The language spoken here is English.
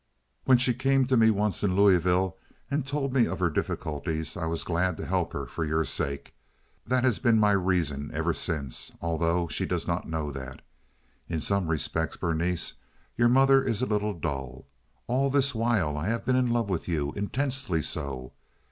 When she came to me once in Louisville and told me of her difficulties I was glad to help her for your sake. That has been my reason ever since, although she does not know that. In some respects, Berenice, your mother is a little dull. All this while I have been in love with you—intensely so.